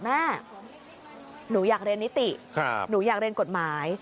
แม่หนูอยากเรียนนิติหนูอยากเรียนกฎหมาย